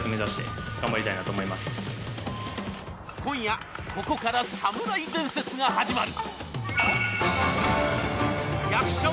今夜、ここから侍伝説が始まる。